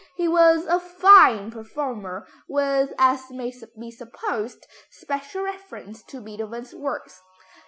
He was a fine performer, with, as may be supposed, special reference to Beethoven's works.